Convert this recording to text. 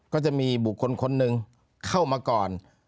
ก็จะมีบุคคลคนหนึ่งเข้ามาก่อน